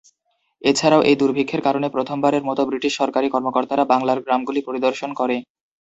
এছাড়াও এই দুর্ভিক্ষের কারণে প্রথমবারের মতো ব্রিটিশ সরকারী কর্মকর্তারা বাংলার গ্রামগুলি পরিদর্শন করে।